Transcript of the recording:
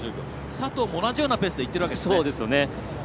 佐藤、同じようなペースでいっていますね。